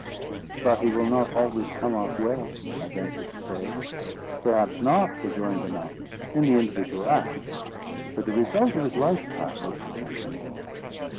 "But he will not always come off well," I ventured to say. "Perhaps not," rejoined the knight, "in the individual act; but the result of his lifetime will content him."